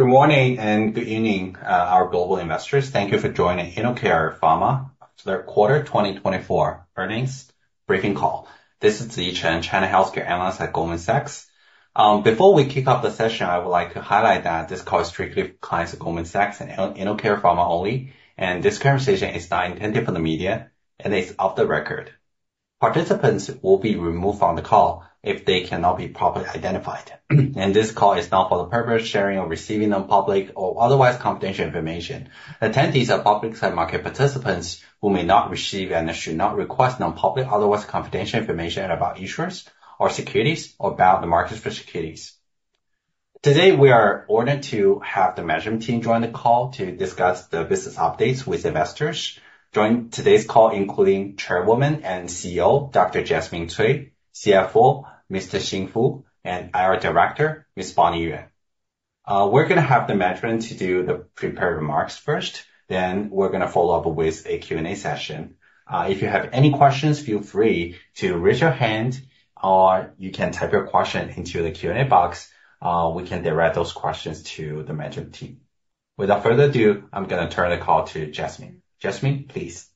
Good morning and good evening, our global investors. Thank you for joining InnoCare Pharma for their third quarter 2024 earnings briefing call. This is Ziyi Chen, China healthcare analyst at Goldman Sachs. Before we kick off the session, I would like to highlight that this call is strictly for clients of Goldman Sachs and InnoCare Pharma only, and this conversation is not intended for the media and is off the record. Participants will be removed from the call if they cannot be properly identified, and this call is not for the purpose of sharing or receiving non-public or otherwise confidential information. Attendees are public market participants who may not receive and should not request non-public otherwise confidential information about insurance or securities or about the markets for securities. Today, we are honored to have the management team join the call to discuss the business updates with investors. Joining today's call include Chairwoman and CEO Dr. Jasmine Cui, CFO Mr. Xin Fu, and IR Director Ms. Bonnie Yuen. We're going to have the management team do the prepared remarks first, then we're going to follow up with a Q&A session. If you have any questions, feel free to raise your hand or you can type your question into the Q&A box. We can direct those questions to the management team. Without further ado, I'm going to turn the call to Jasmine. Jasmine, please.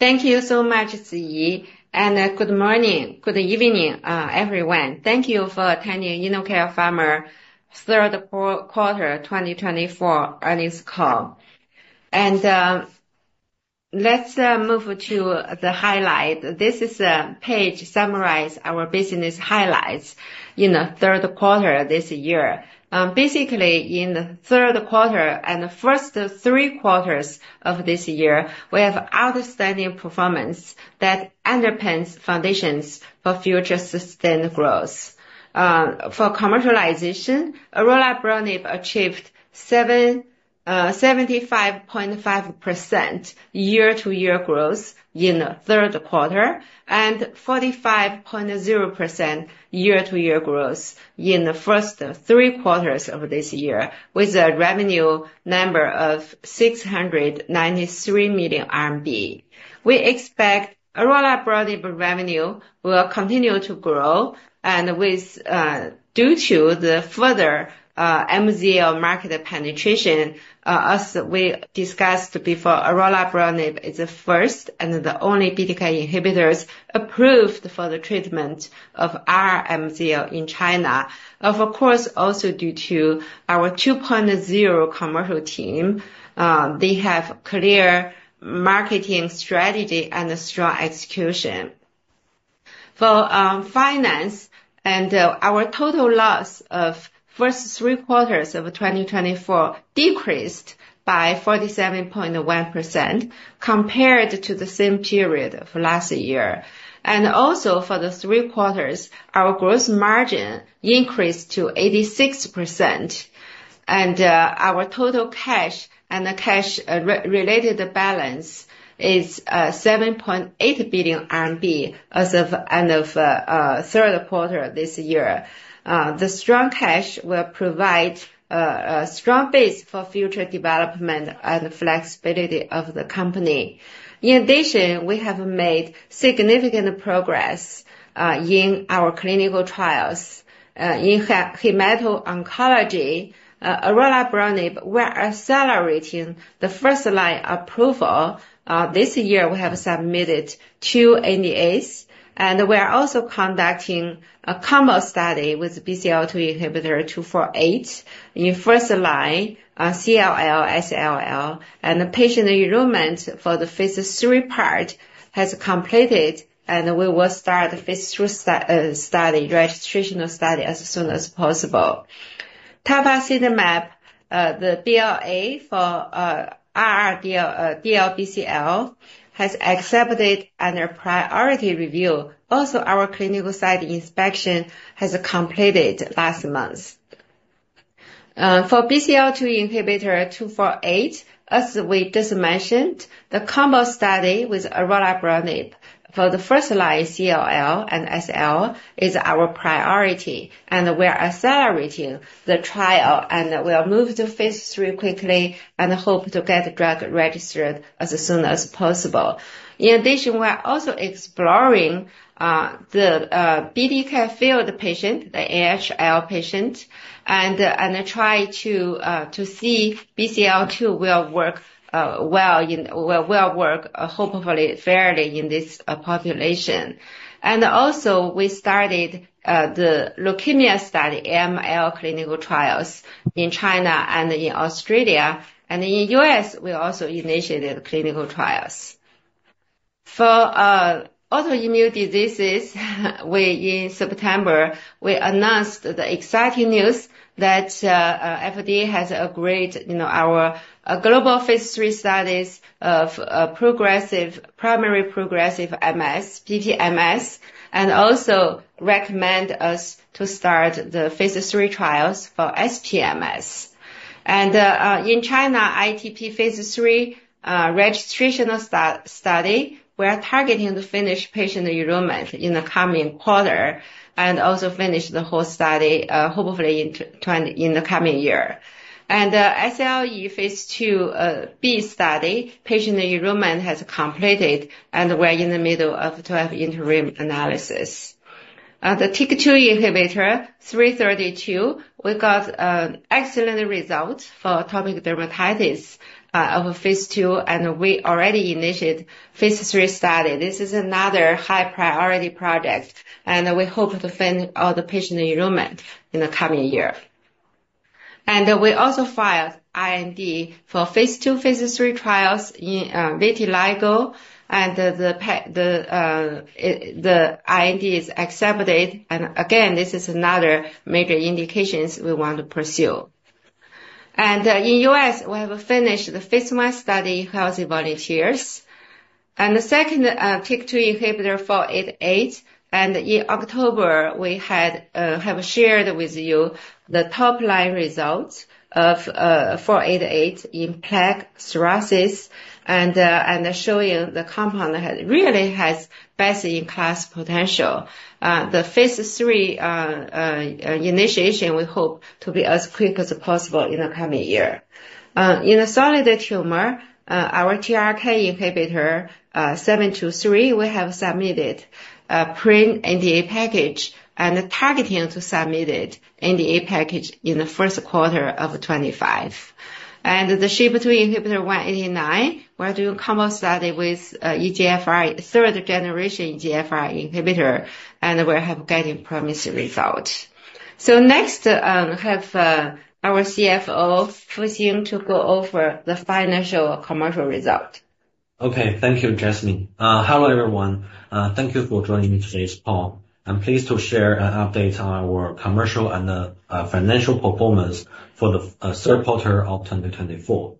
Thank you so much, Zi, and good morning, good evening, everyone. Thank you for attending InnoCare Pharma's third quarter 2024 earnings call. Let's move to the highlight. This is a page summarizing our business highlights in the third quarter this year. Basically, in the third quarter and the first three quarters of this year, we have outstanding performance that underpins foundations for future sustained growth. For commercialization, orelabrutinib achieved 75.5% year-to-year growth in the third quarter and 45.0% year-to-year growth in the first three quarters of this year, with a revenue number of 693 million RMB. We expect orelabrutinib's revenue will continue to grow, and due to the further MZL market penetration, as we discussed before, orelabrutinib is the first and the only BTK inhibitors approved for the treatment of our MZL in China. Of course, also due to our 2.0 commercial team, they have clear marketing strategy and strong execution. For finance, our total loss of the first three quarters of 2024 decreased by 47.1% compared to the same period of last year, and also, for the three quarters, our gross margin increased to 86%, and our total cash and cash-related balance is 7.8 billion RMB as of the third quarter of this year. The strong cash will provide a strong base for future development and flexibility of the company. In addition, we have made significant progress in our clinical trials. In hemato-oncology, orelabrutinib is accelerating the first-line approval. This year, we have submitted two NDAs, and we are also conducting a combo study with BCL2 inhibitor 248 in first-line CLL, SLL, and the patient enrollment for the phase three part has completed, and we will start the phase three study registration study as soon as possible. tafasitamab, the BLA for DLBCL, has accepted under priority review. Also, our clinical site inspection has completed last month. For BCL2 inhibitor 248, as we just mentioned, the combo study with orelabrutinib for the first-line CLL and SLL is our priority, and we are accelerating the trial, and we are moving to phase three quickly and hope to get the drug registered as soon as possible. In addition, we are also exploring the BTK-failed patient, the NHL patient, and try to see BCL2 will work well and will work hopefully fairly in this population. And also, we started the leukemia study, AML clinical trials in China and in Australia, and in the U.S., we also initiated clinical trials. For autoimmune diseases, in September, we announced the exciting news that the FDA has agreed on our global phase three studies of primary progressive MS, PPMS, and also recommended us to start the phase three trials for SPMS. And in China, ITP phase three registration study, we are targeting to finish patient enrollment in the coming quarter and also finish the whole study hopefully in the coming year. And SLE Phase 2b study, patient enrollment has completed, and we are in the middle of the 12-weekinterim analysis. The TYK2 inhibitor 332, we got excellent results for atopic dermatitis of phase two, and we already initiated phase three study. This is another high-priority project, and we hope to finish all the patient enrollment in the coming year. We also filed IND for phase two, phase three trials in vitiligo, and the IND is accepted. Again, this is another major indication we want to pursue. In the U.S., we have finished the phase one study in healthy volunteers. The second TYK2 inhibitor 488, and in October, we have shared with you the top-line results of 488 in psoriasis and showing the compound really has best-in-class potential. The phase three initiation, we hope to be as quick as possible in the coming year. In the solid tumor, our NTRK inhibitor 723, we have submitted a pre-NDA package and targeting to submit an NDA package in the first quarter of 2025. The SHP2 inhibitor ICP-189, we're doing a combo study with EGFR, third-generation EGFR inhibitor, and we have gotten a promising result. Next, we have our CFO, Fu Xing, to go over the financial commercial result. Okay, thank you, Jasmine. Hello, everyone. Thank you for joining me today's call. I'm pleased to share an update on our commercial and financial performance for the third quarter of 2024.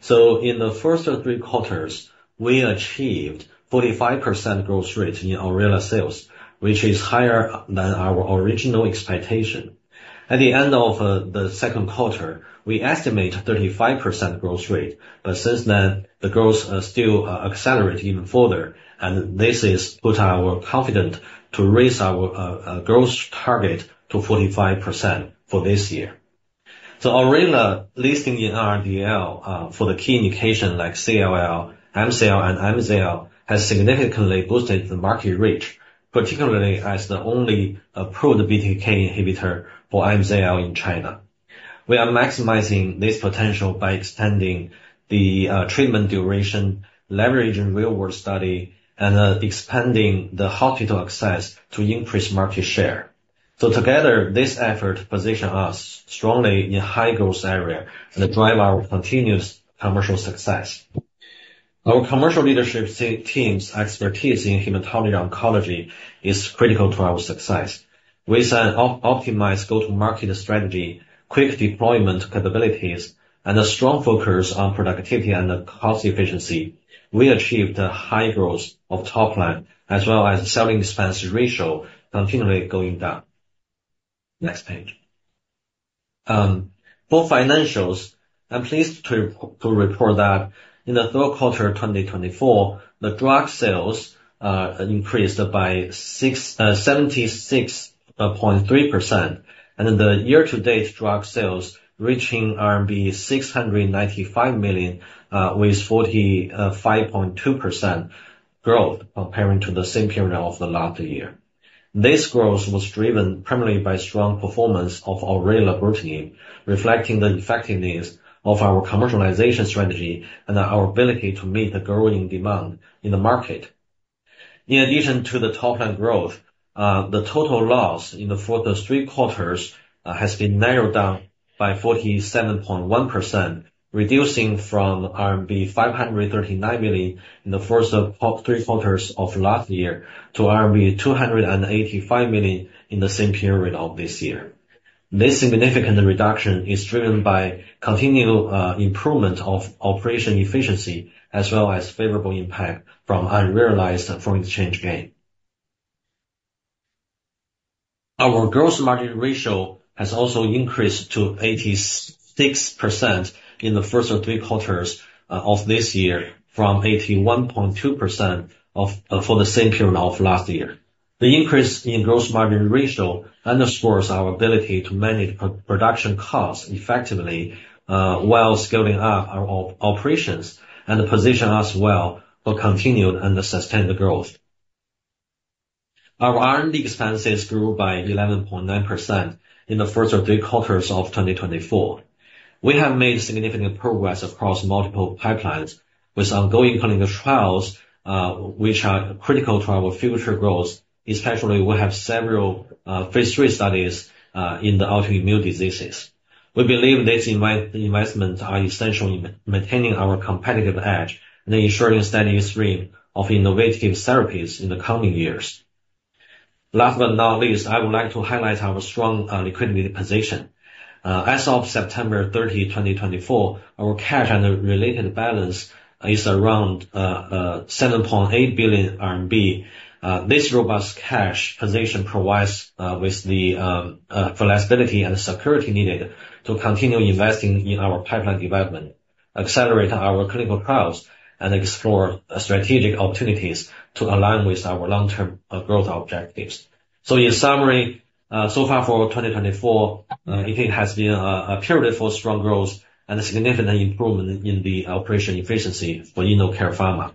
So in the first three quarters, we achieved a 45% growth rate in orelabrutinib sales, which is higher than our original expectation. At the end of the second quarter, we estimated a 35% growth rate, but since then, the growth still accelerated even further, and this has put our confidence to raise our growth target to 45% for this year. So orelabrutinib listing in NRDL for the key indications like CLL, MCL, and MZL has significantly boosted the market reach, particularly as the only approved BTK inhibitor for MZL in China. We are maximizing this potential by extending the treatment duration, leveraging real-world study, and expanding the hospital access to increase market share. So together, this effort positions us strongly in a high-growth area and drives our continuous commercial success. Our commercial leadership team's expertise in hematology-oncology is critical to our success. With an optimized go-to-market strategy, quick deployment capabilities, and a strong focus on productivity and cost efficiency, we achieved a high growth of top line, as well as a selling expense ratio continually going down. Next page. For financials, I'm pleased to report that in the third quarter of 2024, the drug sales increased by 76.3%, and the year-to-date drug sales reached RMB 695 million, with 45.2% growth compared to the same period of the last year. This growth was driven primarily by the strong performance of orelabrutinib, reflecting the effectiveness of our commercialization strategy and our ability to meet the growing demand in the market. In addition to the top-line growth, the total loss in the first three quarters has been narrowed down by 47.1%, reducing from RMB 539 million in the first three quarters of last year to RMB 285 million in the same period of this year. This significant reduction is driven by the continued improvement of operational efficiency, as well as a favorable impact from unrealized foreign exchange gain. Our gross margin has also increased to 86% in the first three quarters of this year from 81.2% for the same period of last year. The increase in gross margin underscores our ability to manage production costs effectively while scaling up our operations and position us well for continued and sustained growth. Our R&D expenses grew by 11.9% in the first three quarters of 2024. We have made significant progress across multiple pipelines, with ongoing clinical trials, which are critical to our future growth, especially as we have several phase 3 studies in the autoimmune diseases. We believe these investments are essential in maintaining our competitive edge and ensuring a steady stream of innovative therapies in the coming years. Last but not least, I would like to highlight our strong liquidity position. As of September 30, 2024, our cash and related balance is around 7.8 billion RMB. This robust cash position provides us with the flexibility and security needed to continue investing in our pipeline development, accelerate our clinical trials, and explore strategic opportunities to align with our long-term growth objectives. In summary, so far for 2024, it has been a period of strong growth and significant improvement in the operational efficiency for InnoCare Pharma.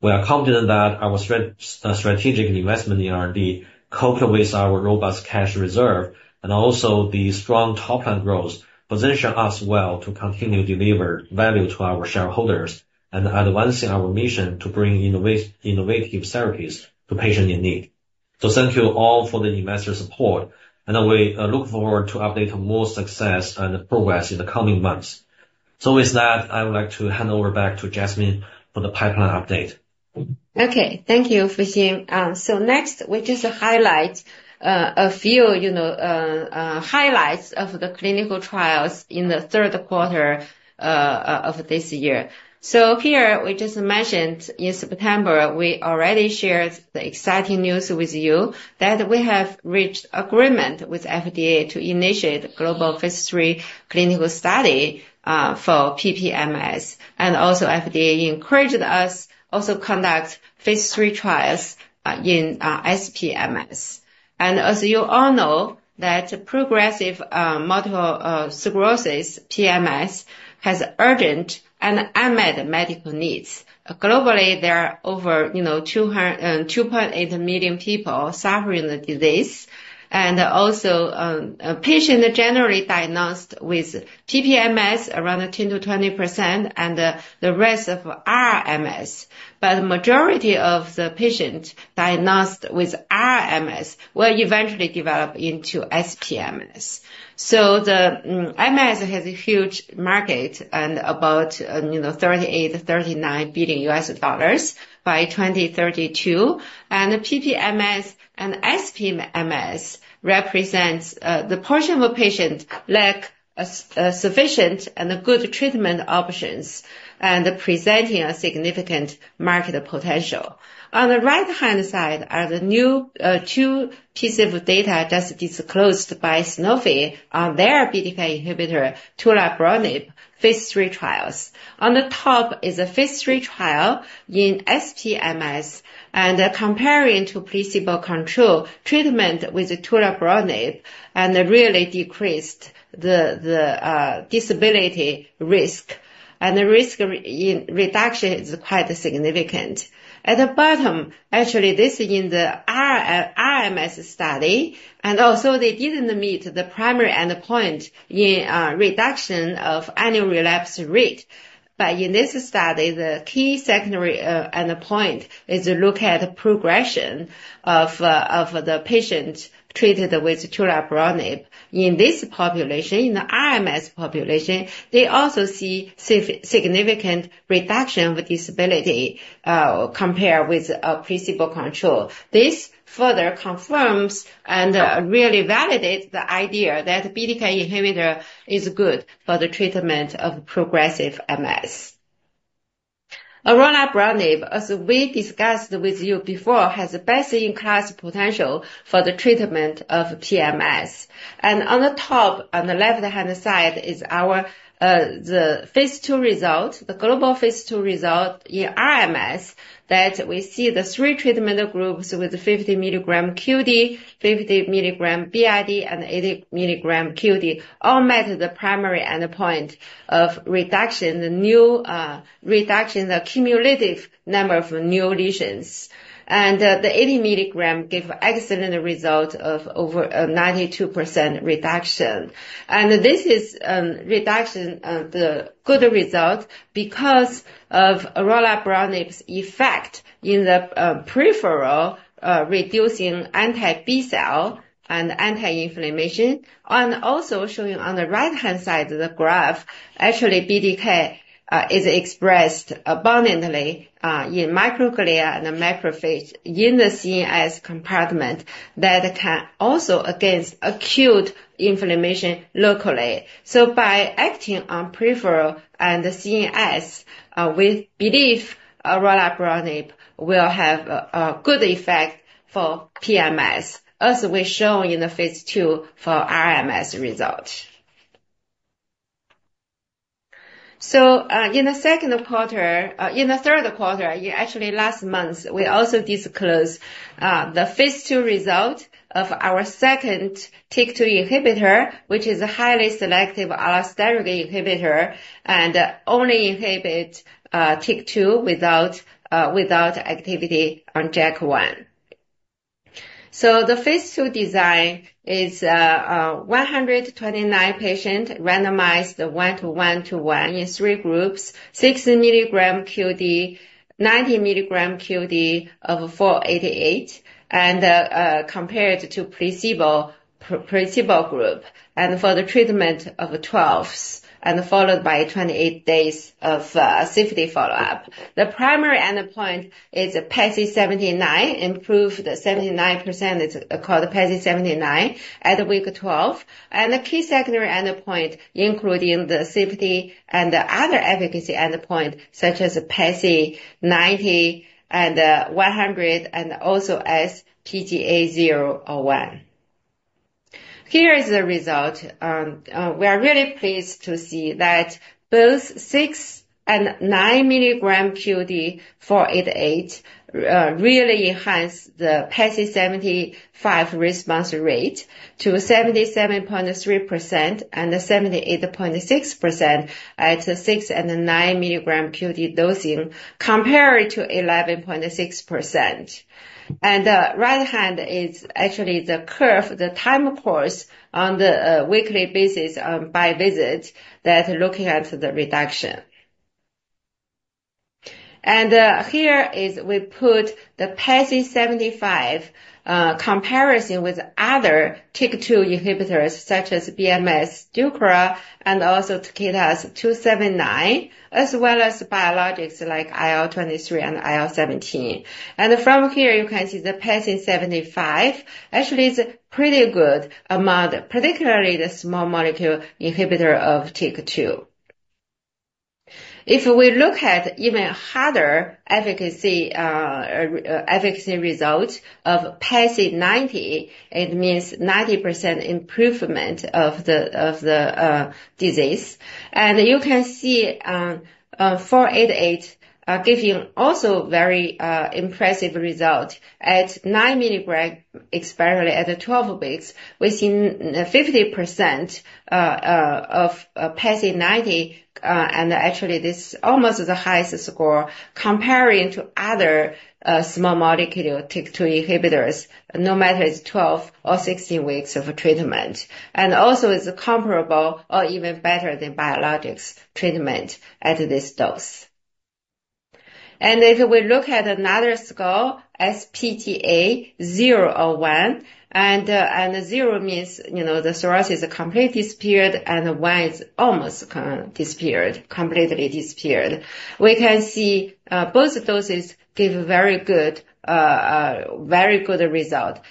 We are confident that our strategic investment in R&D, coupled with our robust cash reserve and also the strong top-line growth, positions us well to continue to deliver value to our shareholders and advancing our mission to bring innovative therapies to patients in need. So thank you all for the investor support, and we look forward to updating more success and progress in the coming months. So with that, I would like to hand over back to Jasmine for the pipeline update. Okay, thank you, Fu Xing. Next, we just highlight a few highlights of the clinical trials in the third quarter of this year. Here, we just mentioned in September, we already shared the exciting news with you that we have reached agreement with the FDA to initiate the global phase three clinical study for PPMS. Also, the FDA encouraged us to also conduct phase three trials in SPMS. As you all know, progressive multiple sclerosis (PMS) has urgent and unmet medical needs. Globally, there are over 2.8 million people suffering the disease, and also patients generally diagnosed with PPMS are around 10%-20%, and the rest are RMS. But the majority of the patients diagnosed with RMS will eventually develop into SPMS. The MS has a huge market and about $38-$39 billion by 2032. PPMS and SPMS represent the portion of patients who lack sufficient and good treatment options and present a significant market potential. On the right-hand side are the new two pieces of data just disclosed by Sanofi on their BTK inhibitor, Tolebrutinib, phase three trials. On the top is a phase three trial in SPMS, and comparing to placebo control, treatment with Tolebrutinib really decreased the disability risk, and the risk reduction is quite significant. At the bottom, actually, this is in the RMS study, and also they didn't meet the primary endpoint in reduction of annual relapse rate. But in this study, the key secondary endpoint is to look at the progression of the patient treated with Tolebrutinib. In this population, in the RMS population, they also see significant reduction of disability compared with placebo control. This further confirms and really validates the idea that BTK inhibitor is good for the treatment of progressive MS. Orelabrutinib, as we discussed with you before, has a best-in-class potential for the treatment of PMS, and on the top, on the left-hand side, is our phase 2 result, the global phase 2 result in RMS, that we see the three treatment groups with 50 mg QD, 50 mg BID, and 80 mg QD all met the primary endpoint of reduction, the new reduction, the cumulative number of new lesions, and the 80 mg gave an excellent result of over 92% reduction, and this is a reduction, a good result, because of Orelabrutinib's effect in the peripheral, reducing anti-B cell and anti-inflammation. Also showing on the right-hand side of the graph, actually, BTK is expressed abundantly in microglia and macrophages in the CNS compartment that can also act against acute inflammation locally. By acting on peripheral and CNS, we believe orelabrutinib will have a good effect for PPMS, as we show in the phase 2 for RMS result. In the second quarter, in the third quarter, actually, last month, we also disclosed the phase 2 result of our second TYK2 inhibitor, which is a highly selective allosteric inhibitor and only inhibits TYK2 without activity on JAK1. The phase 2 design is 129 patients randomized one-to-one-to-one in three groups, 60 milligram QD, 90 milligram QD of 488, and compared to placebo group, and for the treatment of 12 weeks followed by 28 days of safety follow-up. The primary endpoint is PASI 75, improved 75% called PASI 75 at week 12. The key secondary endpoint, including the safety and other efficacy endpoint, such as PASI 90 and 100, and also sPGA 0/1. Here is the result. We are really pleased to see that both 6 and 9 milligram QD ICP-488 really enhanced the PASI 75 response rate to 77.3% and 78.6% at 6 and 9 milligram QD dosing, compared to 11.6%. The right-hand is actually the curve, the time course on the weekly basis by visit that looking at the reduction. Here we put the PASI 75 comparison with other TYK2 inhibitors, such as BMS, Sotyktu, and also Takeda's TAK-279, as well as biologics like IL-23 and IL-17. From here, you can see the PASI 75 actually is a pretty good amount, particularly the small molecule inhibitor of TYK2. If we look at even harder efficacy result of PASI 90, it means 90% improvement of the disease. And you can see 488 giving also very impressive result at 9 mg, especially at 12 weeks, within 50% of PASI 90. And actually, this is almost the highest score comparing to other small molecule TYK2 inhibitors, no matter it's 12 or 16 weeks of treatment. And also, it's comparable or even better than biologics treatment at this dose. And if we look at another score, sPGA 0/1, and zero means the psoriasis completely disappeared, and one is almost disappeared, completely disappeared. We can see both doses give a very good result,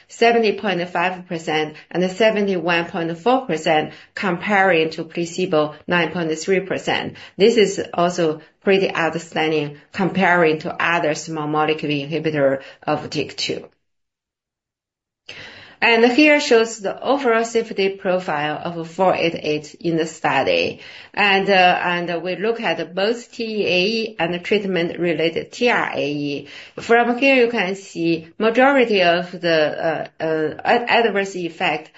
70.5% and 71.4% comparing to placebo 9.3%. This is also pretty outstanding comparing to other small molecule inhibitor of TYK2. And here shows the overall safety profile of 488 in the study. We look at both TEAE and the treatment-related TRAE. From here, you can see the majority of the adverse effects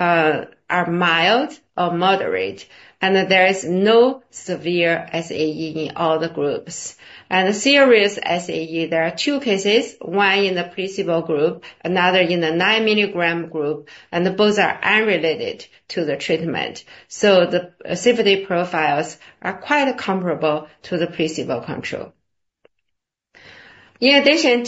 are mild or moderate, and there is no severe SAE in all the groups. And serious SAE, there are two cases, one in the placebo group, another in the nine milligram group, and both are unrelated to the treatment. So the safety profiles are quite comparable to the placebo control. In addition,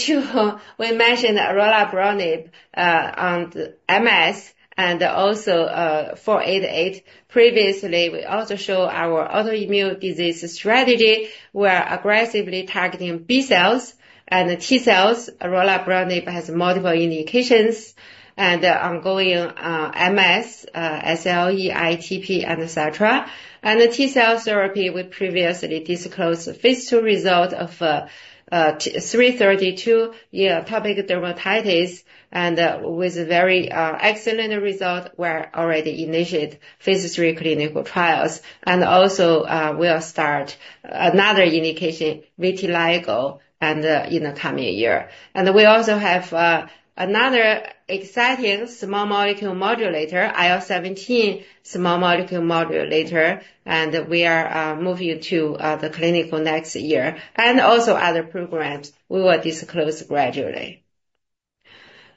we mentioned Orelabrutinib on the MS and also 488. Previously, we also showed our autoimmune disease strategy. We are aggressively targeting B cells and T cells. Orelabrutinib has multiple indications and ongoing MS, SLE, ITP, and etc. And the T cell therapy, we previously disclosed the phase two result of 332 atopic dermatitis, and with a very excellent result, we're already initiating phase three clinical trials. And also, we'll start another indication, vitiligo, in the coming year. And we also have another exciting small molecule modulator, IL-17 small molecule modulator, and we are moving to the clinical next year. And also, other programs we will disclose gradually.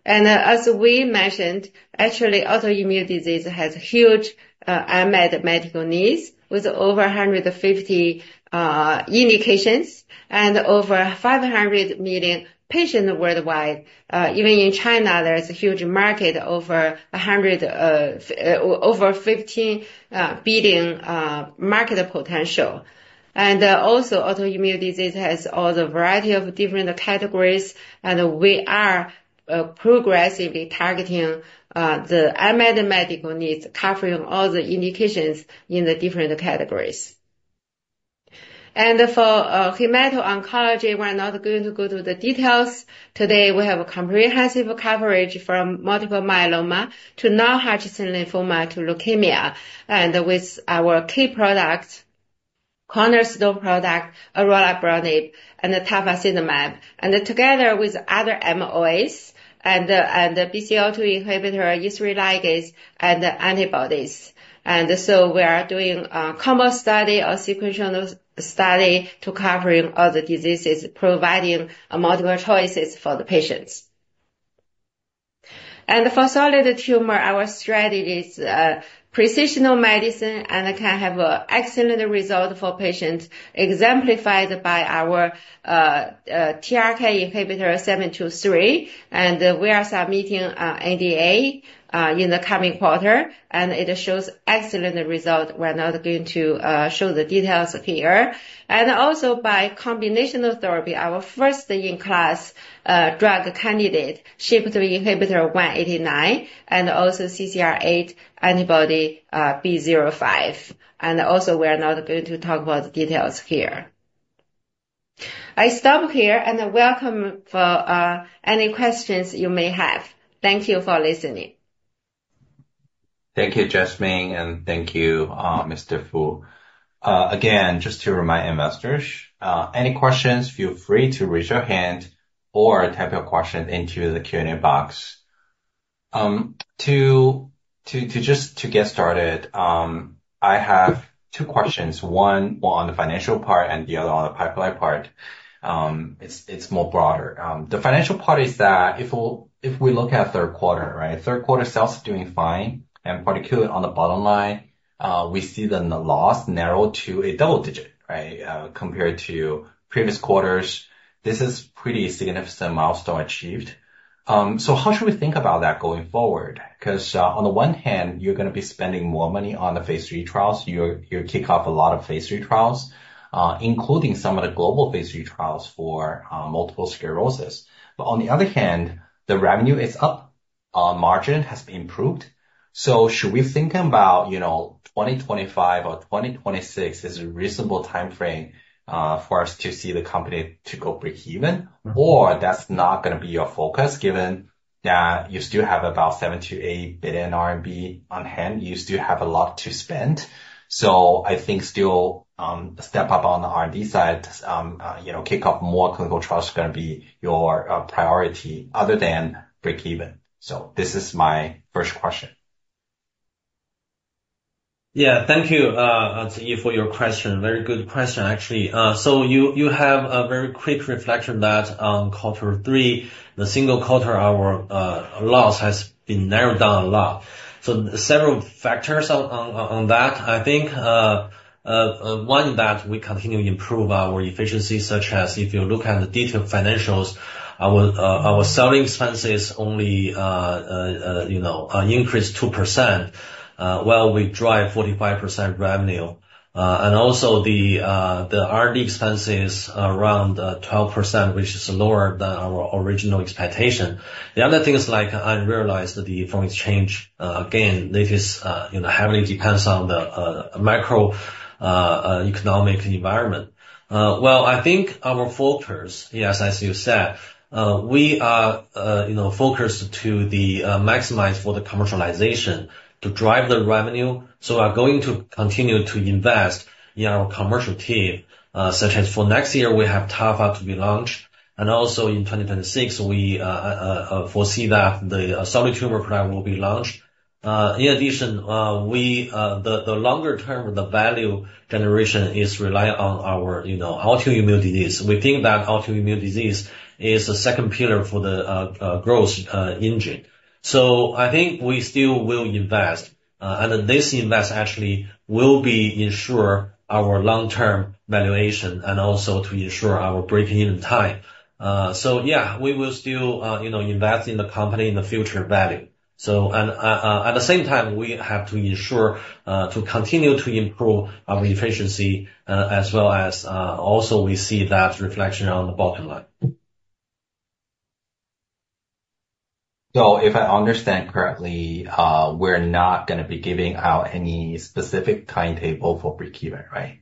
And as we mentioned, actually, autoimmune disease has huge unmet medical needs with over 150 indications and over 500 million patients worldwide. Even in China, there's a huge market, over 15 billion market potential. And also, autoimmune disease has all the variety of different categories, and we are progressively targeting the unmet medical needs, covering all the indications in the different categories. And for hemato-oncology, we're not going to go to the details. Today, we have comprehensive coverage from multiple myeloma to non-Hodgkin lymphoma to leukemia, and with our key product, cornerstone product, orelabrutinib and tafasitamab, and together with other MOAs and BCL-2 inhibitor, E3 ligase, and antibodies. We are doing a combo study or sequential study to cover all the diseases, providing multiple choices for the patients. For solid tumor, our strategy is precision medicine and can have an excellent result for patients, exemplified by our NTRK inhibitor ICP-723. We are submitting NDA in the coming quarter, and it shows excellent results. We're not going to show the details here. By combinational therapy, our first-in-class drug candidate, SHP2 inhibitor ICP-189, and also CCR8 antibody ICP-B05. We're not going to talk about the details here. I stop here, and welcome any questions you may have. Thank you for listening. Thank you, Jasmine, and thank you, Mr. Fu. Again, just to remind investors, any questions, feel free to raise your hand or type your question into the Q&A box. To just get started, I have two questions. One on the financial part and the other on the pipeline part. It's more broader. The financial part is that if we look at third quarter, right, third quarter sales are doing fine, and particularly on the bottom line, we see the loss narrow to a double digit, right, compared to previous quarters. This is a pretty significant milestone achieved. So how should we think about that going forward? Because on the one hand, you're going to be spending more money on the phase three trials. You kick off a lot of phase three trials, including some of the global phase three trials for multiple sclerosis. But on the other hand, the revenue is up, margin has been improved. So should we think about 2025 or 2026 as a reasonable time frame for us to see the company to go breakeven? Or that's not going to be your focus, given that you still have about 7-8 billion RMB on hand. You still have a lot to spend. So I think still a step up on the R&D side, kick off more clinical trials is going to be your priority other than breakeven. So this is my first question. Yeah, thank you, Ziyi, for your question. Very good question, actually. So you have a very quick reflection that on quarter three, the single quarter loss has been narrowed down a lot. So several factors on that, I think. One that we continue to improve our efficiency, such as if you look at the detailed financials, our selling expenses only increased 2% while we drive 45% revenue. And also, the R&D expenses around 12%, which is lower than our original expectation. The other thing is like unrealized that the funds change. Again, it is heavily depends on the macroeconomic environment. Well, I think our focus, yes, as you said, we are focused to maximize for the commercialization to drive the revenue. So we are going to continue to invest in our commercial team, such as for next year, we have Tafasitamab to be launched. And also, in 2026, we foresee that the solid tumor product will be launched. In addition, in the longer term, the value generation is reliant on our autoimmune disease. We think that autoimmune disease is a second pillar for the growth engine. So I think we still will invest. And this investment actually will ensure our long-term valuation and also to ensure our breakeven time. So yeah, we will still invest in the company in the future value. So at the same time, we have to ensure to continue to improve our efficiency as well as also we see that reflection on the bottom line. So if I understand correctly, we're not going to be giving out any specific timetable for breakeven, right?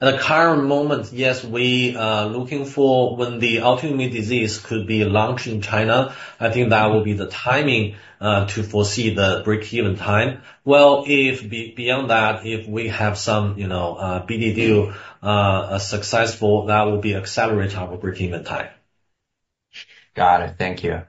At the current moment, yes, we are looking for when the autoimmune disease could be launched in China. I think that will be the timing to foresee the breakeven time. Beyond that, if we have some BD deals successful, that will be accelerated our breakeven time. Got it. Thank you.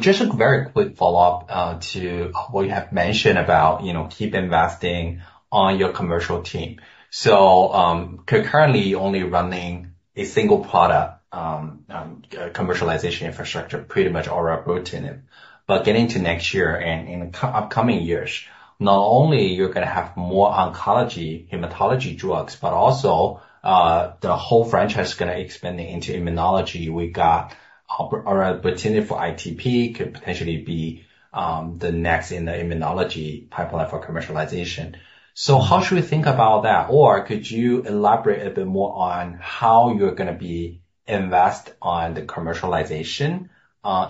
Just a very quick follow-up to what you have mentioned about keep investing on your commercial team. So currently, only running a single product commercialization infrastructure, pretty much orelabrutinib. But getting to next year and in the upcoming years, not only you're going to have more oncology hematology drugs, but also the whole franchise is going to expand into immunology. We got orelabrutinib for ITP could potentially be the next in the immunology pipeline for commercialization. So how should we think about that? Or could you elaborate a bit more on how you're going to be investing on the commercialization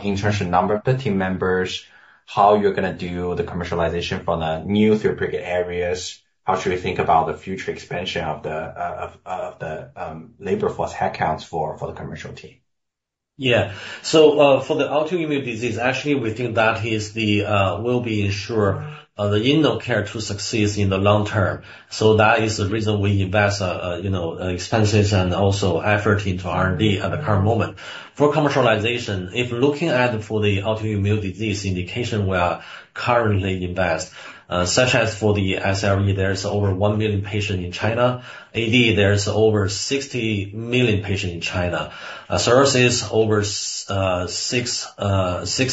in terms of number of the team members, how you're going to do the commercialization from the new therapeutic areas? How should we think about the future expansion of the labor force headcounts for the commercial team? Yeah. So for the autoimmune disease, actually, we think that will ensure the standard of care to succeed in the long term. So that is the reason we incur expenses and also effort into R&D at the current moment. For commercialization, if looking at for the autoimmune disease indication, we are currently invested, such as for the SLE, there's over one million patients in China. AD, there's over 60 million patients in China. Psoriasis, over 6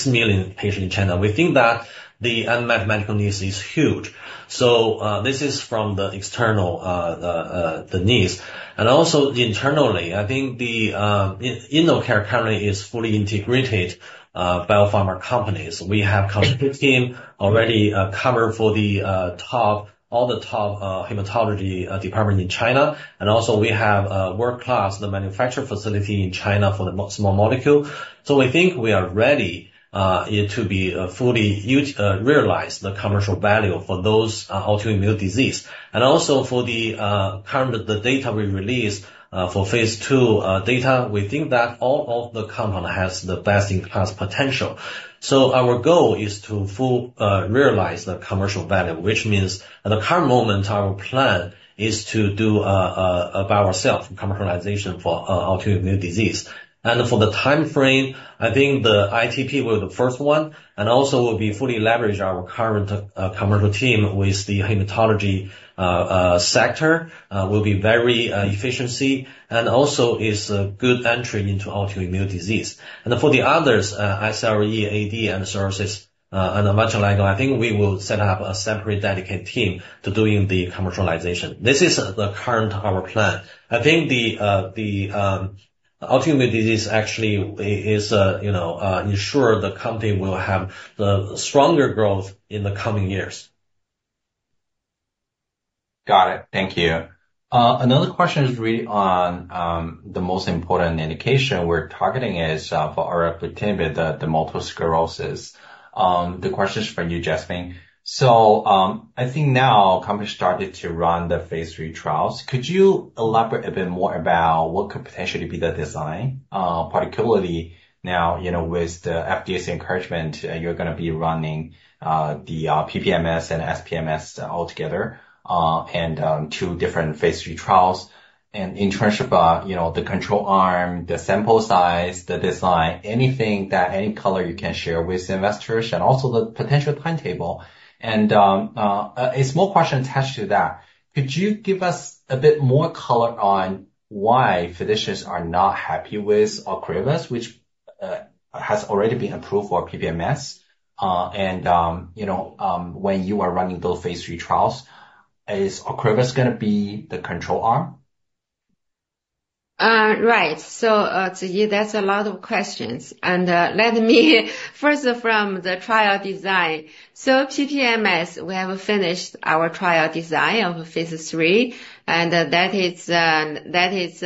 million patients in China. We think that the unmet medical needs is huge. So this is from the external needs. And also, internally, I think the standard of care currently is fully integrated by our pharma companies. We have a team already covered for all the top hematology departments in China. And also, we have world-class manufacturing facility in China for the small molecule. We think we are ready to fully realize the commercial value for those autoimmune diseases. Also, for the current data we released for phase two data, we think that all of the compounds have the best-in-class potential. Our goal is to fully realize the commercial value, which means at the current moment, our plan is to do by ourselves commercialization for autoimmune disease. For the time frame, I think the ITP will be the first one, and also will be fully leveraged our current commercial team with the hematology sector will be very efficient and also is a good entry into autoimmune disease. For the others, SLE, AD, and psoriasis, and much like, I think we will set up a separate dedicated team to do the commercialization. This is the current of our plan. I think the autoimmune disease actually ensures the company will have the stronger growth in the coming years. Got it. Thank you. Another question is really on the most important indication we're targeting is for Orelabrutinib, the multiple sclerosis. The question is for you, Jasmine. I think now companies started to run the phase three trials. Could you elaborate a bit more about what could potentially be the design, particularly now with the FDA's encouragement, you're going to be running the PPMS and SPMS altogether and two different phase three trials and in terms of the control arm, the sample size, the design, anything that any color you can share with investors, and also the potential timetable. A small question attached to that. Could you give us a bit more color on why physicians are not happy with Ocrevus, which has already been approved for PPMS? And when you are running those phase three trials, is Ocrevus going to be the control arm? Right. So Zi, that's a lot of questions. And let me first from the trial design. So PPMS, we have finished our trial design of phase three, and that is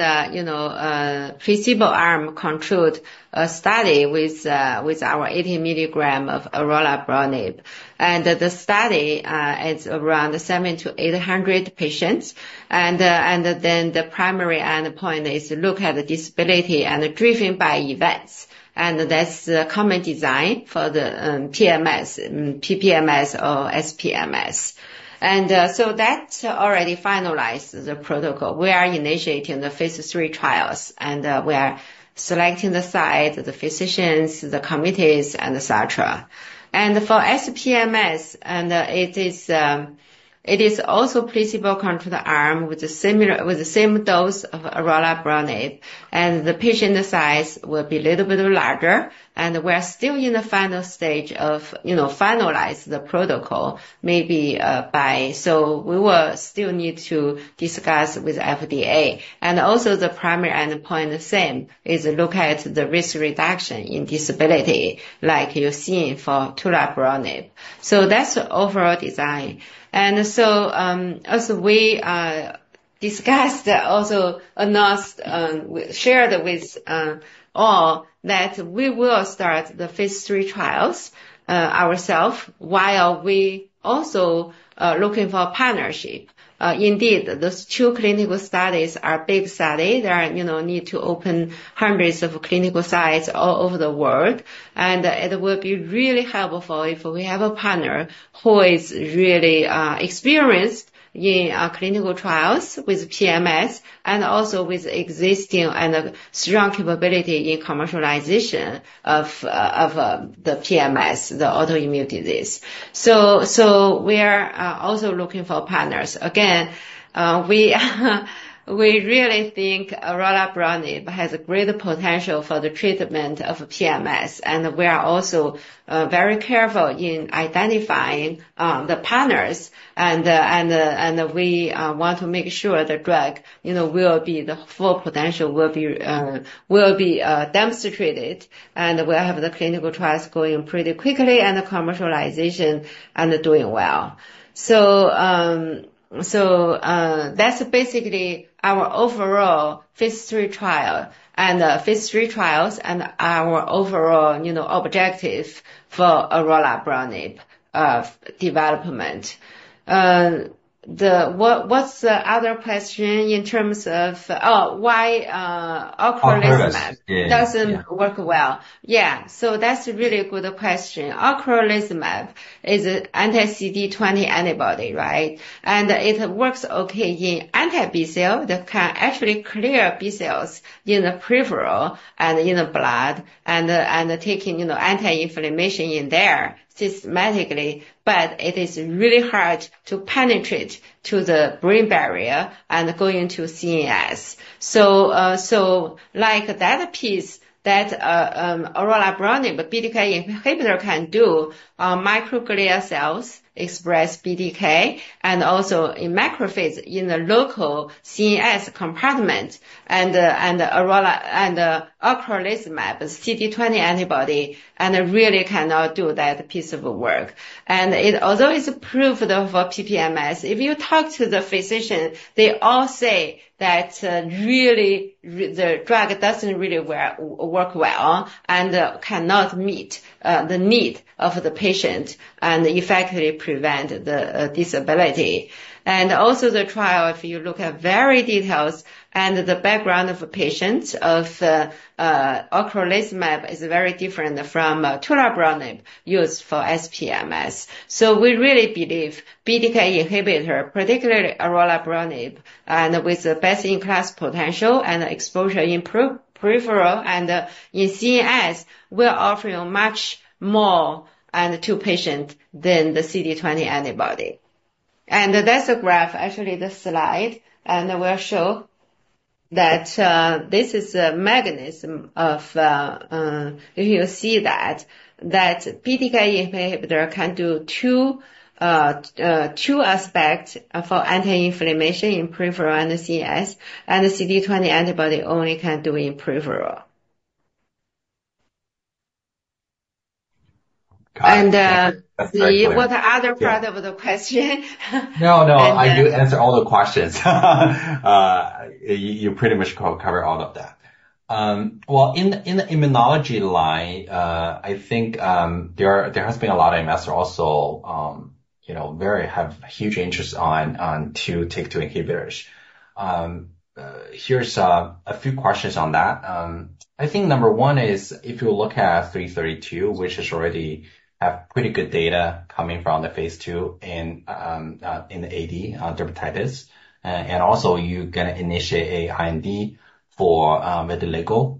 placebo-arm controlled study with our 80 milligrams of orelabrutinib. And the study is around 700-800 patients. And then the primary endpoint is to look at the disability and driven by events. And that's the common design for the PPMS or SPMS. And so that already finalized the protocol. We are initiating the phase three trials, and we are selecting the sites, the physicians, the committees, and etc. And for SPMS, it is also placebo-controlled arm with the same dose of orelabrutinib. And the patient size will be a little bit larger, and we are still in the final stage of finalizing the protocol maybe by. So we will still need to discuss with FDA. And also the primary endpoint same is to look at the risk reduction in disability, like you're seeing for tolebrutinib. So that's the overall design. And so as we discussed, also shared with all that we will start the phase 3 trials ourselves while we also are looking for partnership. Indeed, those two clinical studies are big studies. There are need to open hundreds of clinical sites all over the world. And it will be really helpful if we have a partner who is really experienced in clinical trials with MS and also with existing and strong capability in commercialization of the MS, the autoimmune disease. So we are also looking for partners. Again, we really think orelabrutinib has a great potential for the treatment of MS. And we are also very careful in identifying the partners. We want to make sure the drug will be the full potential will be demonstrated. We'll have the clinical trials going pretty quickly and the commercialization and doing well. That's basically our overall phase three trial and phase three trials and our overall objective for orelabrutinib development. What's the other question in terms of why Ocrevus doesn't work well? Yeah. That's a really good question. Ocrevus is an anti-CD20 antibody, right? It works okay in anti-B cells that can actually clear B cells in the peripheral and in the blood and taking anti-inflammation in there systematically. It is really hard to penetrate to the brain barrier and going to CNS. Like that piece that orelabrutinib BTK inhibitor can do, microglia cells express BTK and also in macrophage in the local CNS compartment. Ocrevus, the CD20 antibody, really cannot do that piece of work. Although it's approved for PPMS, if you talk to the physician, they all say that really the drug doesn't really work well and cannot meet the need of the patient and effectively prevent the disability. Also the trial, if you look at very details and the background of patients of Ocrevus is very different from Tolebrutinib used for SPMS. We really believe BTK inhibitor, particularly Orelabrutinib, with the best-in-class potential and exposure in peripheral and in CNS, will offer you much more to patients than the CD20 antibody. That's a graph, actually the slide. We'll show that this is a mechanism. If you see that, that BTK inhibitor can do two aspects for anti-inflammation in peripheral and CNS, and the CD20 antibody only can do in peripheral. Got it. And what other part of the question? No, no. I do answer all the questions. You pretty much covered all of that. Well, in the immunology line, I think there has been a lot of investors also have huge interest on two TYK2 inhibitors. Here are a few questions on that. I think number one is if you look at ICP-332, which has already had pretty good data coming from the phase two in the AD, dermatitis. And also, you're going to initiate an IND for vitiligo.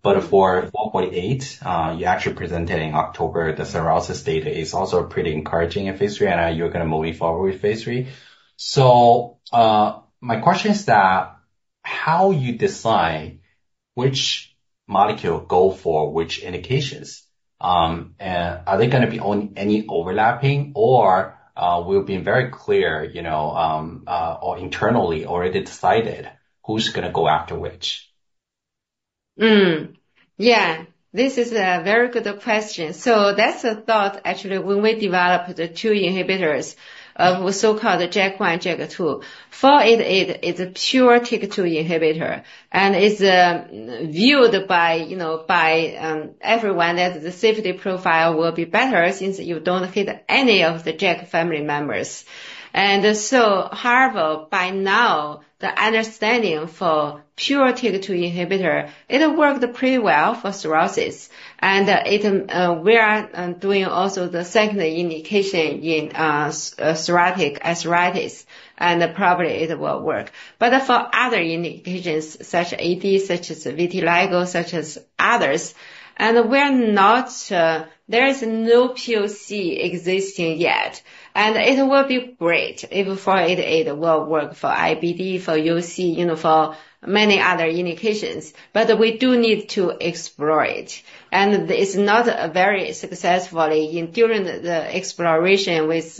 But for ICP-488, you actually presented in October, the psoriasis data is also pretty encouraging in phase three, and you're going to move forward with phase three. So my question is that how you decide which molecule go for which indications? And are they going to be on any overlapping, or will it be very clear internally, or is it decided who's going to go after which? Yeah. This is a very good question. So that's a thought actually when we develop the two inhibitors, so-called JAK1, JAK2. For it, it's a pure TYK2 inhibitor. And it's viewed by everyone that the safety profile will be better since you don't hit any of the JAK family members. And so however, by now, the understanding for pure TYK2 inhibitor, it worked pretty well for psoriasis. And we are doing also the second indication in psoriatic arthritis. And probably it will work. But for other indications, such as AD, such as vitiligo, such as others, and there is no POC existing yet. And it will be great if for it, it will work for IBD, for UC, for many other indications. But we do need to explore it. And it's not very successfully during the exploration with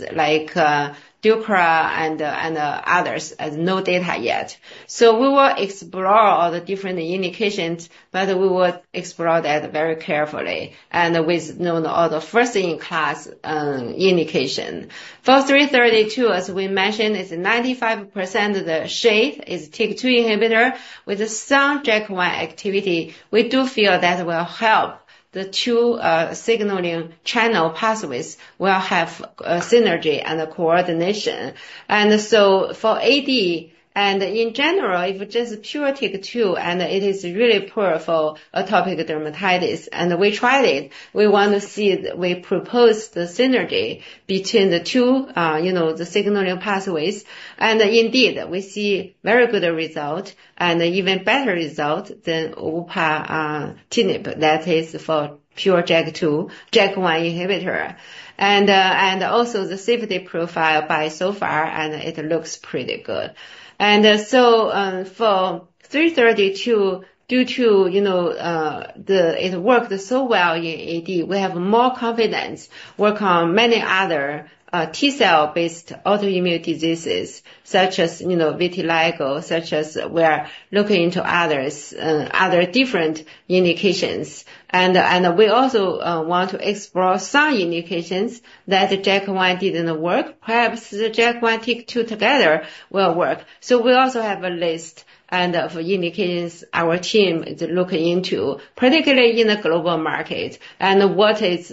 Sotyktu and others, no data yet. So we will explore all the different indications, but we will explore that very carefully and with all the first-in-class indication. For 332, as we mentioned, it's 95% of the shade is TYK2 inhibitor with some JAK1 activity. We do feel that will help the two signaling channel pathways will have synergy and coordination, and so for AD, and in general, if it's just pure TYK2, and it is really poor for atopic dermatitis, and we tried it. We want to see we propose the synergy between the two, the signaling pathways, and indeed, we see very good result and even better result than upadacitinib, that is for pure JAK2, JAK1 inhibitor, and also the safety profile so far, and it looks pretty good. And so for 332, due to it worked so well in AD, we have more confidence working on many other T cell-based autoimmune diseases, such as vitiligo, such as we are looking into other different indications. And we also want to explore some indications that JAK1 didn't work. Perhaps the JAK1 TYK2 together will work. So we also have a list of indications our team is looking into, particularly in the global market. And what is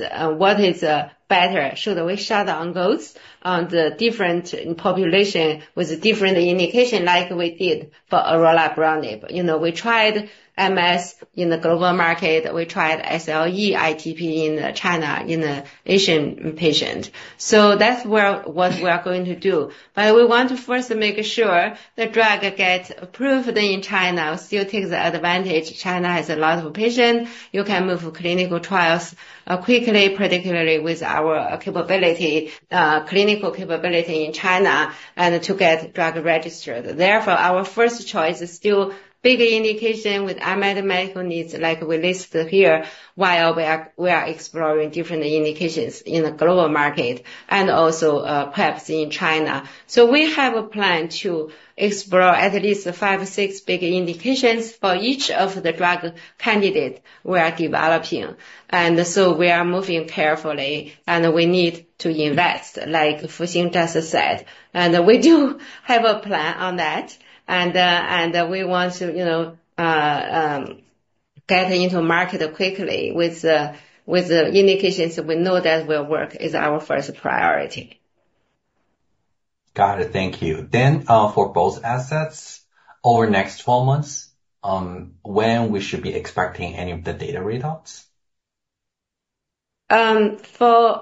better? Should we set our goals on the different population with different indication like we did for orelabrutinib? We tried MS in the global market. We tried SLE, ITP in China in Asian patients. So that's what we are going to do. But we want to first make sure the drug gets approved in China, still takes advantage. China has a lot of patients. You can move clinical trials quickly, particularly with our clinical capability in China and to get drug registered. Therefore, our first choice is still big indication with unmet medical needs like we listed here while we are exploring different indications in the global market and also perhaps in China, so we have a plan to explore at least five, six big indications for each of the drug candidates we are developing. And so we are moving carefully, and we need to invest, like Fu Xing just said, and we do have a plan on that, and we want to get into market quickly with the indications we know that will work is our first priority. Got it. Thank you. Then for both assets, over the next 12 months, when we should be expecting any of the data readouts? For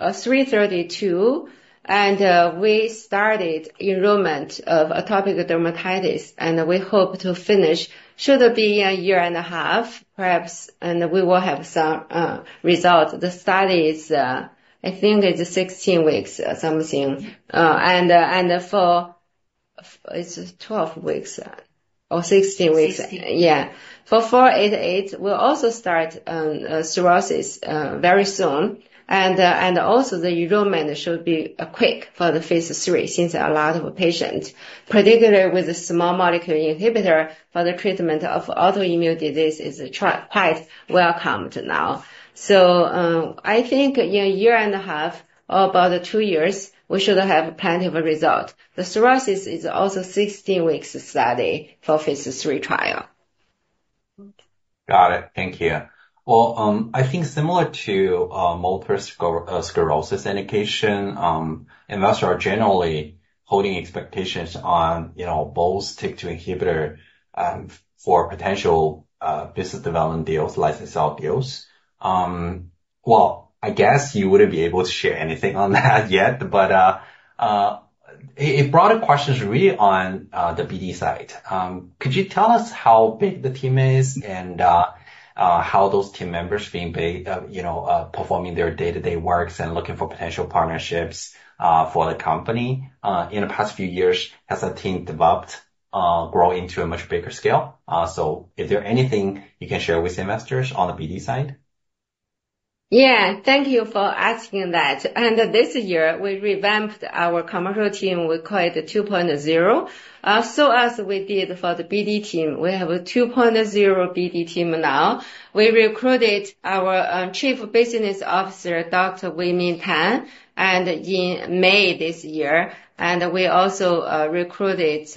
ICP-332, we started enrollment of atopic dermatitis, and we hope to finish. Should it be a year and a half, perhaps, and we will have some result. The study is, I think it's 16 weeks or something. And for it, it's 12 weeks or 16 weeks. 16. Yeah. For 488, we'll also start psoriasis very soon. And also the enrollment should be quick for the phase 3 since a lot of patients, particularly with a small molecule inhibitor for the treatment of autoimmune disease, is quite welcomed now. So I think in a year and a half or about two years, we should have plenty of results. The psoriasis is also 16 weeks study for phase 3 trial. Got it. Thank you. I think similar to multiple sclerosis indication, investors are generally holding expectations on both TYK2 inhibitor for potential business development deals, license sale deals. I guess you wouldn't be able to share anything on that yet, but it brought up questions really on the BD side. Could you tell us how big the team is and how those team members have been performing their day-to-day works and looking for potential partnerships for the company? In the past few years, has the team developed, grown into a much bigger scale? Is there anything you can share with investors on the BD side? Yeah. Thank you for asking that. And this year, we revamped our commercial team with Commercial 2.0. So as we did for the BD team, we have a 2.0 BD team now. We recruited our Chief Business Officer, Dr. Weimin Tang, in May this year. And we also recruited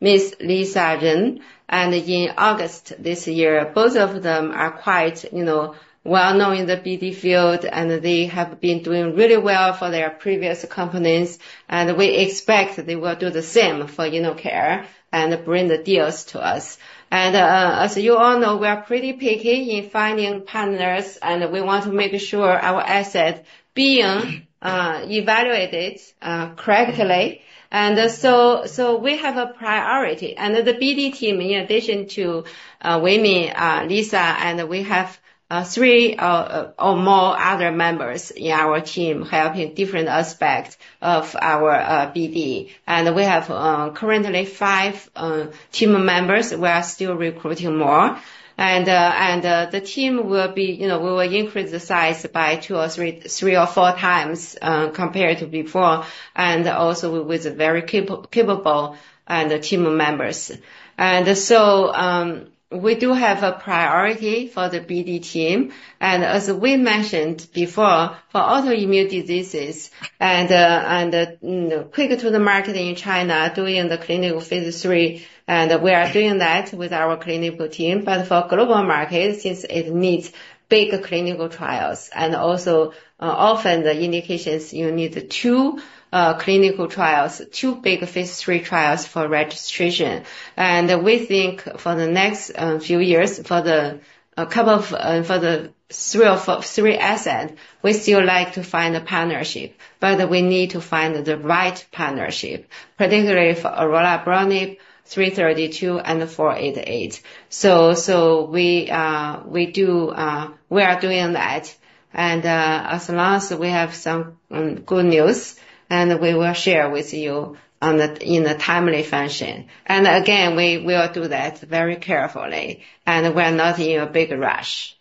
Ms. Lisa Li. And in August this year, both of them are quite well-known in the BD field, and they have been doing really well for their previous companies. And we expect they will do the same for InnoCare and bring the deals to us. And as you all know, we are pretty picky in finding partners, and we want to make sure our assets being evaluated correctly. And so we have a priority. The BD team, in addition to Wei Min, Lisa, and we have three or more other members in our team helping different aspects of our BD. We have currently five team members. We are still recruiting more. The team will increase the size by two or three or four times compared to before and also with very capable team members. So we do have a priority for the BD team. As we mentioned before, for autoimmune diseases and quick to the market in China doing the clinical phase three, and we are doing that with our clinical team. But for global market, since it needs big clinical trials and also often the indications, you need two clinical trials, two big phase three trials for registration. We think for the next few years for the three assets, we still like to find a partnership. We need to find the right partnership, particularly for Orelabrutinib, 332, and 488. We are doing that. As long as we have some good news, we will share with you in a timely fashion. Again, we will do that very carefully. We're not in a big rush.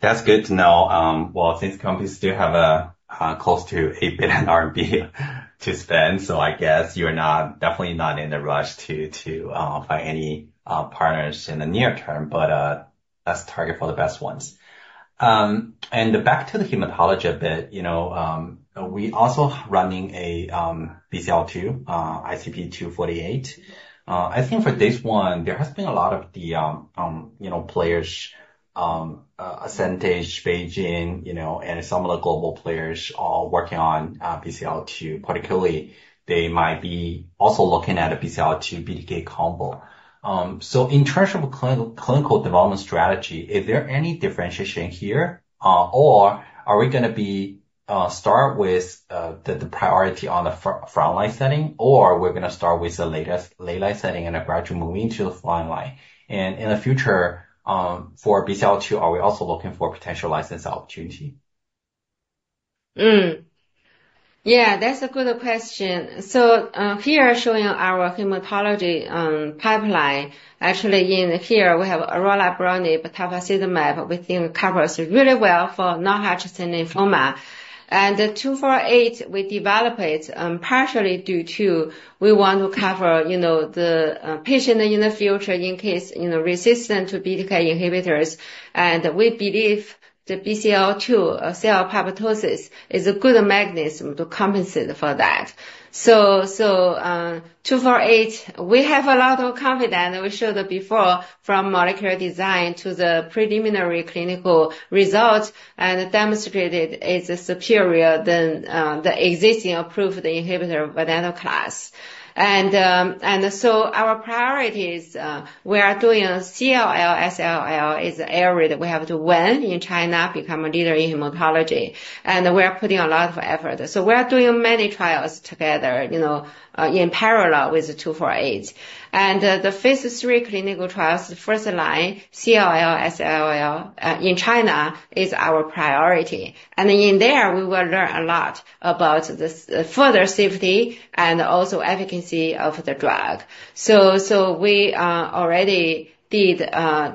That's good to know. Well, since companies do have close to eight billion RMB R&D to spend, so I guess you're definitely not in a rush to find any partners in the near term, but let's target for the best ones. And back to the hematology a bit, we're also running a BCL-2, ICP-248. I think for this one, there has been a lot of the players in the space, BeiGene, and some of the global players are working on BCL-2. Particularly, they might be also looking at a BCL-2-BTK combo. So in terms of clinical development strategy, is there any differentiation here? Or are we going to start with the priority on the frontline setting, or we're going to start with the later-line setting and gradually move into the frontline? And in the future, for BCL-2, are we also looking for potential licensing opportunity? Yeah, that's a good question. So here showing our hematology pipeline. Actually, in here, we have Orelabrutinib, Tafasitamab, which covers really well for non-Hodgkin lymphoma, and 248, we developed it partially due to we want to cover the patient in the future in case resistant to BTK inhibitors. And we believe the BCL-2 cell apoptosis is a good mechanism to compensate for that. So 248, we have a lot of confidence. We showed it before from molecular design to the preliminary clinical result and demonstrated it's superior than the existing approved inhibitor, venetoclax. And so our priorities, we are doing CLL, SLL is an area that we have to win in China, become a leader in hematology, and we are putting a lot of effort. So we are doing many trials together in parallel with 248. The phase three clinical trials, the first line, CLL, SLL in China is our priority. In there, we will learn a lot about the further safety and also efficacy of the drug. We already did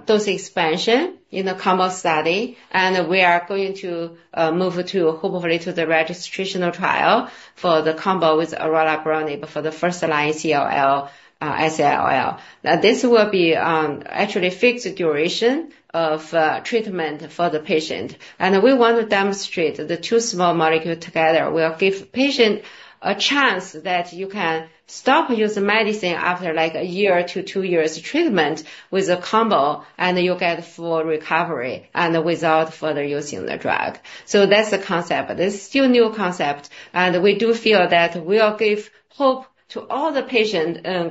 dose expansion in the combo study. We are going to move to, hopefully, to the registration of trial for the combo with orelabrutinib for the first line CLL, SLL. This will be actually fixed duration of treatment for the patient. We want to demonstrate the two small molecules together. We'll give patients a chance that you can stop using medicine after like a year to two years treatment with a combo, and you'll get full recovery and without further using the drug. That's the concept. It's still a new concept. We do feel that we'll give hope to all the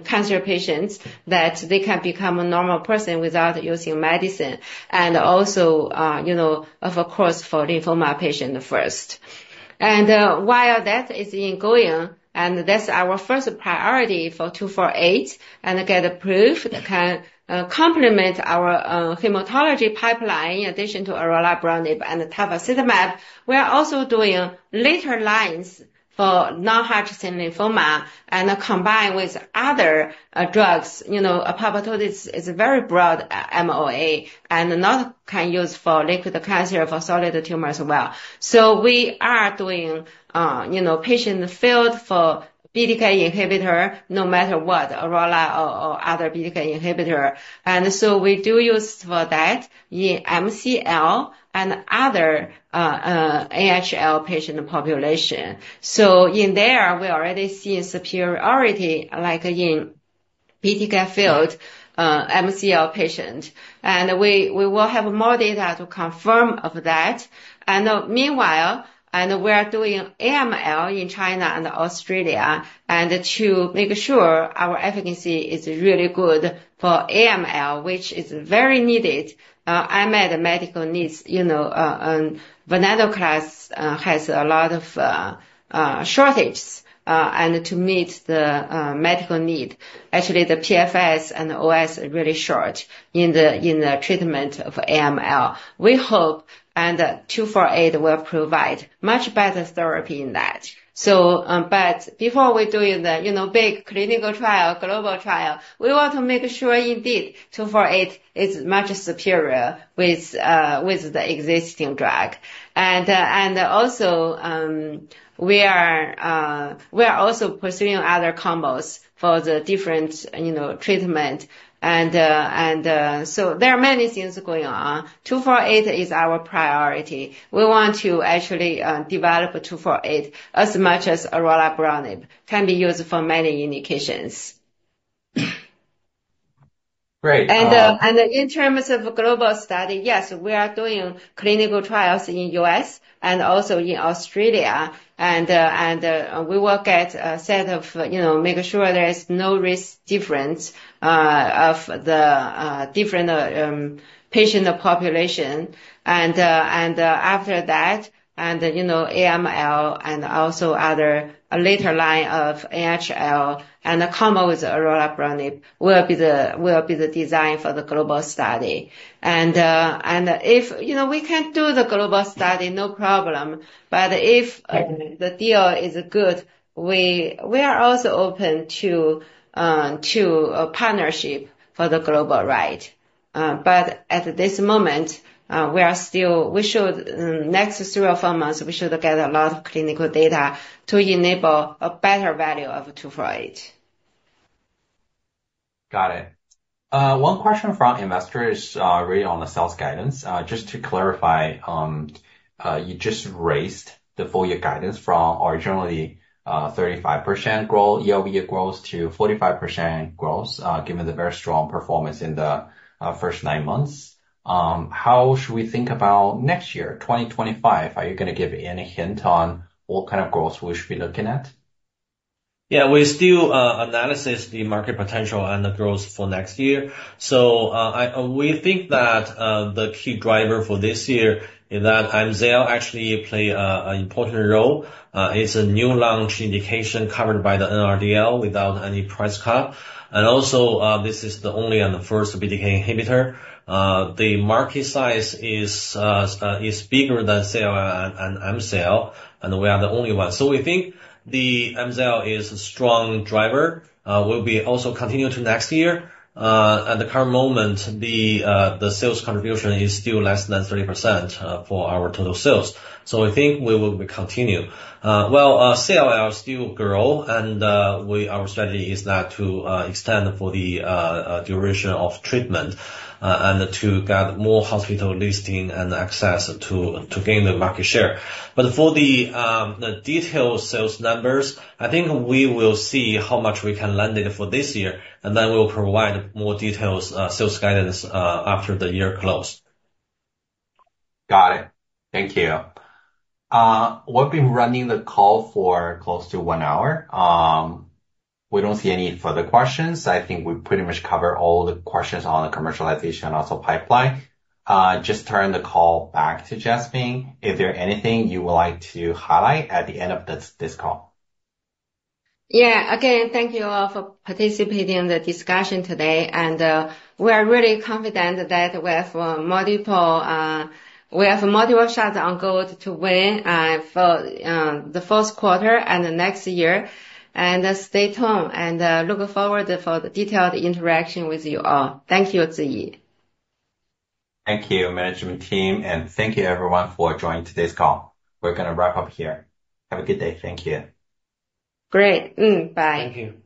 cancer patients that they can become a normal person without using medicine. Also, of course, for lymphoma patients first. While that is ongoing, and that's our first priority for ICP-248 and get approved that can complement our hematology pipeline in addition to orelabrutinib and Tafasitamab, we are also doing later lines for non-Hodgkin's lymphoma and combined with other drugs. Apoptosis is a very broad MOA and it can be used for liquid cancer and solid tumors as well. We are doing combination with BTK inhibitor no matter what, orelabrutinib or other BTK inhibitor. We do use for that in MCL and other NHL patient population. In there, we already see superiority like in BTK-failed MCL patient. We will have more data to confirm that. And meanwhile, we are doing AML in China and Australia to make sure our efficacy is really good for AML, which is very needed. Unmet medical needs, venetoclax has a lot of shortages and to meet the medical need. Actually, the PFS and OS are really short in the treatment of AML. We hope 248 will provide much better therapy in that. But before we do the big clinical trial, global trial, we want to make sure indeed 248 is much superior with the existing drug. And also, we are also pursuing other combos for the different treatment. And so there are many things going on. 248 is our priority. We want to actually develop 248 as much as Orelabrutinib can be used for many indications. Great. In terms of global study, yes, we are doing clinical trials in the US and also in Australia. We will get a dataset to make sure there is no risk difference of the different patient population. After that, AML and also other later line of NHL and the combo with orelabrutinib will be the design for the global study. If we can do the global study, no problem. If the deal is good, we are also open to partnership for the global right. At this moment, in the next three or four months, we should get a lot of clinical data to enable a better value of 248. Got it. One question from investors really on the sales guidance. Just to clarify, you just raised the four-year guidance from originally 35% growth, year-over-year growth to 45% growth given the very strong performance in the first nine months. How should we think about next year, 2025? Are you going to give any hint on what kind of growth we should be looking at? Yeah, we still analyze the market potential and the growth for next year. So we think that the key driver for this year is that MZL actually plays an important role. It's a new launch indication covered by the NRDL without any price cut. And also, this is the only and the first BTK inhibitor. The market size is bigger than MZL, and we are the only one. So we think the MZL is a strong driver. We'll be also continuing to next year. At the current moment, the sales contribution is still less than 30% for our total sales. So I think we will continue. Well, CLL still grows, and our strategy is not to extend for the duration of treatment and to get more hospital listing and access to gain the market share. But for the detailed sales numbers, I think we will see how much we can land it for this year. And then we'll provide more detailed sales guidance after the year close. Got it. Thank you. We've been running the call for close to one hour. We don't see any further questions. I think we pretty much covered all the questions on the commercialization and also pipeline. Just turn the call back to Jasmine. Is there anything you would like to highlight at the end of this call? Yeah. Again, thank you all for participating in the discussion today. And we are really confident that we have multiple shots on goal to win for the first quarter and the next year. And stay tuned and look forward for the detailed interaction with you all. Thank you, Ziyi. Thank you, management team. And thank you, everyone, for joining today's call. We're going to wrap up here. Have a good day. Thank you. Great. Bye. Thank you.